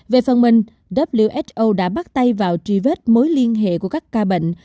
về phần mình who đã bắt tay vào tri vết mối liên hệ của các ca bệnh